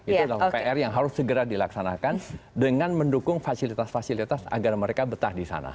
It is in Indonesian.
itu adalah pr yang harus segera dilaksanakan dengan mendukung fasilitas fasilitas agar mereka betah di sana